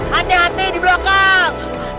hati hati di belakang